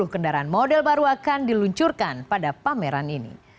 sepuluh kendaraan model baru akan diluncurkan pada pameran ini